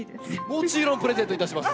もちろんプレゼントいたします。